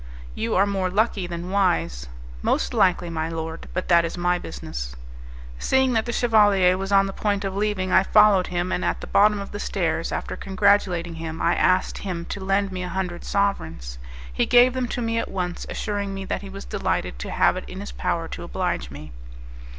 "You are more lucky than wise." "Most likely, my lord; but that is my business." Seeing that the chevalier was on the point of leaving, I followed him, and at the bottom of the stairs, after congratulating him, I asked him to lend me a hundred sovereigns. He gave them to me at once, assuring me that he was delighted to have it in his power to oblige me.